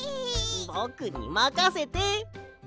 ぼくにまかせて！